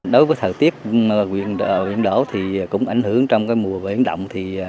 đối với thời tiết biển đổ thì cũng ảnh hưởng trong mùa biển động